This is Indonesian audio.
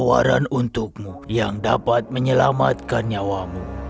tawaran untukmu yang dapat menyelamatkan nyawamu